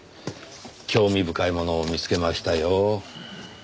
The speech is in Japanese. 興味深いものを見つけましたよ。